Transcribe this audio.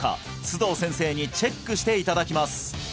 須藤先生にチェックしていただきます